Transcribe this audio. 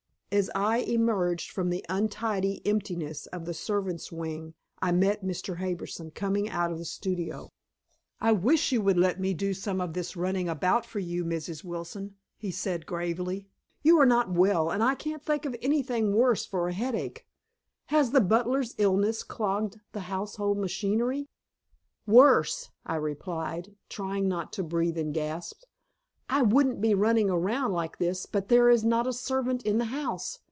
As I emerged from the untidy emptiness of the servants' wing, I met Mr. Harbison coming out of the studio. "I wish you would let me do some of this running about for you, Mrs. Wilson," he said gravely. "You are not well, and I can't think of anything worse for a headache. Has the butler's illness clogged the household machinery?" "Worse," I replied, trying not to breathe in gasps. "I wouldn't be running around like this but there is not a servant in the house!